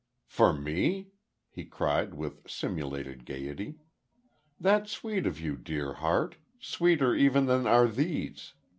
"For me?" he cried, with simulated gaiety. "That's sweet of you, dear heart sweeter, even than are these."